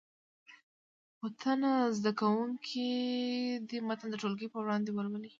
څو تنه زده کوونکي دې متن د ټولګي په وړاندې ولولي.